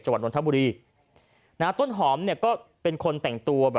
จนกระทั่งบ่าย๓โมงก็ไม่เห็นออกมา